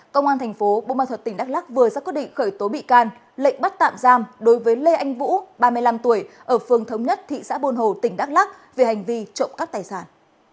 công an thành phố bông ma thuật tỉnh đắk lắc vừa ra quy định khởi tố bị can lệnh bắt tạm giam đối với lê anh vũ ba mươi năm tuổi ở phương thống nhất thị xã bôn hồ tỉnh đắk lắc về hành vi trộm các tài sản